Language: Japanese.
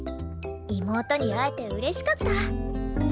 妹に会えて嬉しかった。